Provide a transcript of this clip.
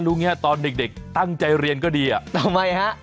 อย่างเงี้ตอนเด็กเด็กตั้งใจเรียนก็ดีอ่ะทำไมฮะ